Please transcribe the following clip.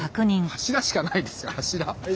柱しかないですよ柱。